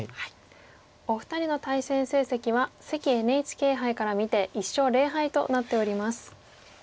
お二人の対戦成績は関ＮＨＫ杯から見て１勝０敗となっております。